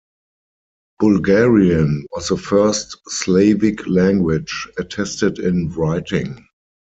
"Bulgarian" was the first "Slavic" language attested in writing.